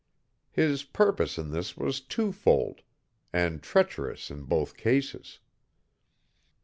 His purpose in this was twofold, and treacherous in both cases.